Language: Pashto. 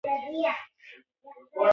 د ختمونو یو شین غومبر جوړ وو.